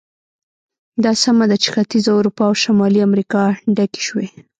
دا سمه ده چې ختیځه اروپا او شمالي امریکا ډکې شوې.